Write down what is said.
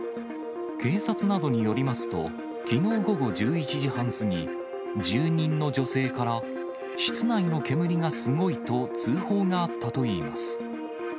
警察などによりますと、きのう午後１１時半過ぎ、住人の女性から、室内の煙がすごいと通報があったといいます。